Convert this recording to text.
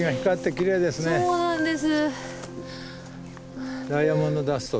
そうなんです。